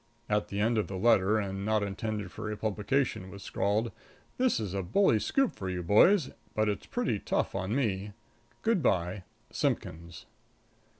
'" At the end of the letter, and not intended for publication, was scrawled: "This is a bully scoop for you, boys, but it's pretty tough on me. Good by. Simpkins."